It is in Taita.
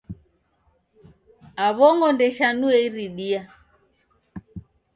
Aw'ongo ndeshanuye iridia